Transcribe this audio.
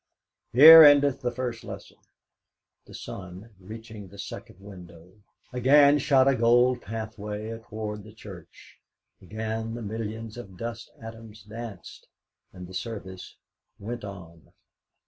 Here endeth the first Lesson." The sun, reaching the second window, again shot a gold pathway athwart the church; again the millions of dust atoms danced, and the service went on.